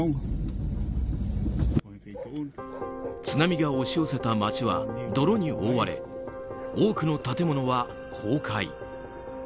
津波が押し寄せた町は泥に覆われ、多くの建物は崩壊。